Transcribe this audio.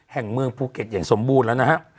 แห่งเมืองภูเก็ตอย่างสมบูรณ์แล้วนะฮะ